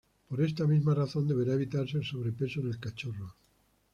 Por esta misma razón deberá evitarse el sobrepeso en el cachorro.